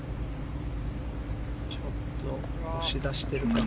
ちょっと押し出しているかな。